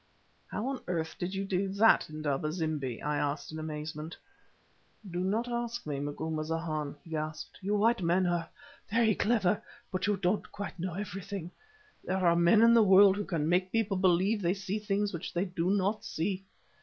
"How on earth did you do that, Indaba zimbi?" I asked in amaze. "Do not ask me, Macumazahn," he gasped. "You white men are very clever, but you don't quite know everything. There are men in the world who can make people believe they see things which they do not see.